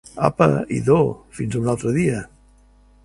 Apa, idò, fins a un altre dia.